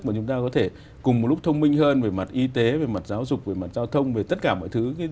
mà chúng ta có thể cùng một lúc thông minh hơn về mặt y tế về mặt giáo dục về mặt giao thông về tất cả mọi thứ